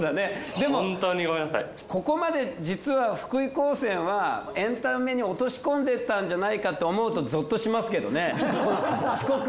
でもここまで実は福井高専はエンタメに落とし込んでたんじゃないかって思うとぞっとしますけどね。